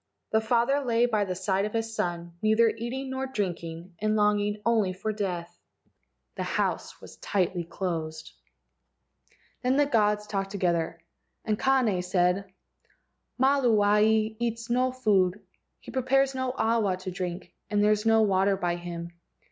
The father lay by the side of his son, neither eating nor drinking, and longing only for death. The house was tightly closed. Then the gods talked together, and Kane said: "Maluae eats no food, he prepares no awa to drink, and there is no water by him.